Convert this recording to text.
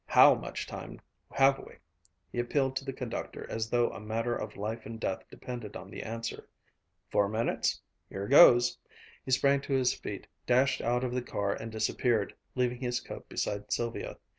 How much time have we?" He appealed to the conductor as though a matter of life and death depended on the answer. "Four minutes? here goes " He sprang to his feet, dashed out of the car and disappeared, leaving his coat beside Sylvia.